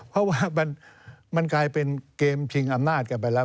เพราะว่ามันกลายเป็นเกมชิงอำนาจกันไปแล้ว